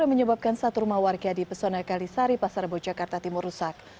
yang menyebabkan satu rumah warga di pesona kalisari pasar bojakarta timur rusak